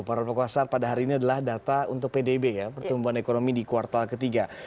para pekuasa pada hari ini adalah data untuk pdb ya pertumbuhan ekonomi di kuartal ketiga